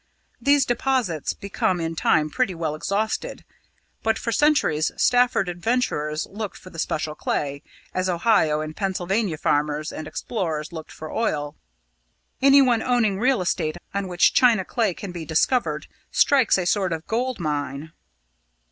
These deposits become in time pretty well exhausted; but for centuries Stafford adventurers looked for the special clay, as Ohio and Pennsylvania farmers and explorers looked for oil. Anyone owning real estate on which china clay can be discovered strikes a sort of gold mine."